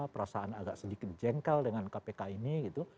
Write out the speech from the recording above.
perasaan agak sedikit jengkel dengan kpk ini gitu